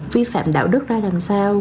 phi phạm đạo đức ra làm sao